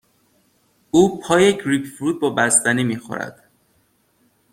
او پای گریپ فروت با بستنی می خورد.